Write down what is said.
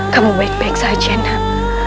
kamu baik baik saja nak